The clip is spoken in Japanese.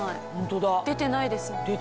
出てないです。